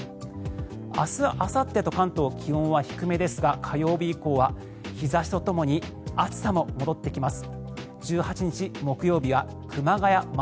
明日あさってと関東、気温は低めですが火曜日以降は日差しとともに暑さも戻ってきます。